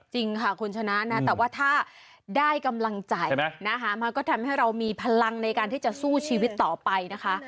จริงค่ะคุณชนะนะแต่ว่าถ้าได้กำลังใจนะคะมาก็ทำให้เรามีพลังในการที่จะสู้ชีวิตต่อไปนะคะ